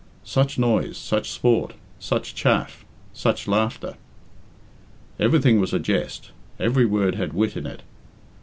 Such noise, such sport, such chaff, such laughter! Everything was a jest every word had wit in it.